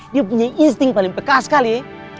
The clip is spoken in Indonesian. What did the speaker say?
dia punya insting paling peka sekali